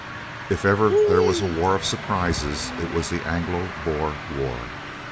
If ever there was a war of surprises, it was the Anglo Boer war.